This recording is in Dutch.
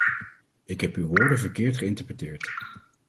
Ik heb uw woorden verkeerd geïnterpreteerd.